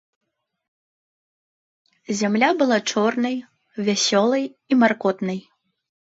Зямля была чорнай, вясёлай і маркотнай.